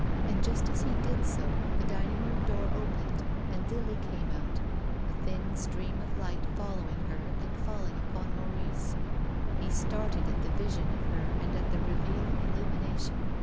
And just as he did so the dining room door opened and Lily came out, a thin stream of light following her and falling upon Maurice. He started at the vision of her and at the revealing illumination.